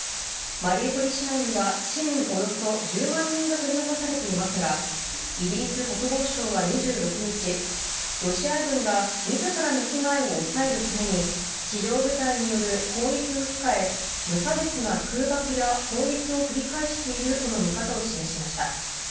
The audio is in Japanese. マリウポリ市内には市民およそ１０万人が取り残されていますがイギリス国防相は２６日ロシア軍が自らの損害を抑えるために地上部隊による攻撃を控え無差別な空爆や砲撃を繰り返しているとの見方を示しました。